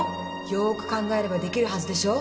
よく考えればできるはずでしょ